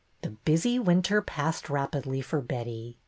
The busy winter passed rapidly for Betty.